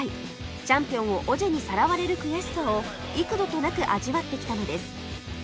チャンピオンをオジェにさらわれる悔しさを幾度となく味わってきたのです